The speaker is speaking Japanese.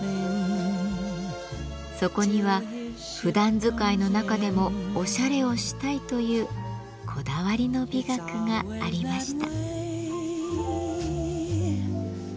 そこには「ふだん使いの中でもおしゃれをしたい」というこだわりの美学がありました。